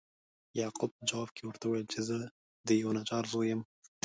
یعقوب په جواب کې ورته وویل چې زه د یوه نجار زوی یم.